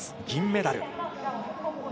銀メダル。